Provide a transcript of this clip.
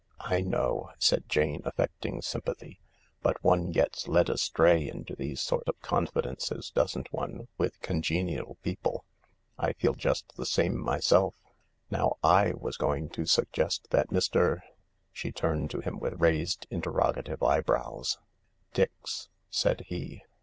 " I know," said Jane, affecting sympathy, " but one gets led away into these sort of confidences, doesn't one, with congenial people ? I feel just the same myself. Now / was going to suggest that Mr. ?" She turned to him with raised, interrogative eyebrows. " Dix," said he.